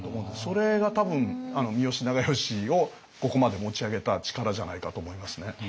それが多分三好長慶をここまで持ち上げた力じゃないかと思いますね。